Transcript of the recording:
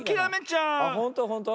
ほんとほんと？